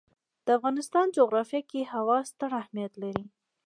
د افغانستان جغرافیه کې هوا ستر اهمیت لري.